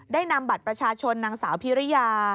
นำบัตรประชาชนนางสาวพิริยา